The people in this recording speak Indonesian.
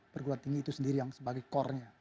perguruan tinggi itu sendiri yang sebagai core nya